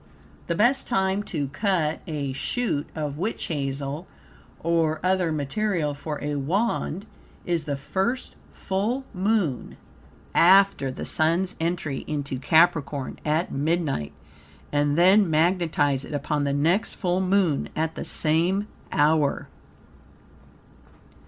The best time TO CUT a shoot of witch hazel or other material for a Wand is the first full Moon after the Sun's entry into Capricorn, at midnight, and then magnetize it upon the next full Moon at the same hour.